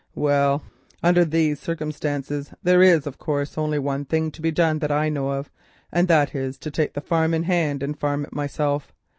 Well, under these circumstances, there is, of course, only one thing to be done that I know of, and that is to take the farm in hand and farm it myself.